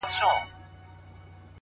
شاعره ياره ستا قربان سمه زه _